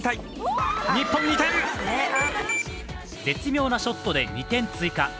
絶妙なショットで２点追加。